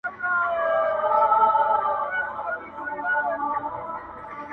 دوکان دوک دی یا کان دی -